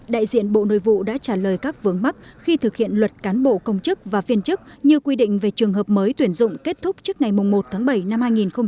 đại diện bộ nội vụ đã trả lời các vướng mắt khi thực hiện luật cán bộ công chức và viên chức như quy định về trường hợp mới tuyển dụng kết thúc trước ngày một tháng bảy năm hai nghìn hai mươi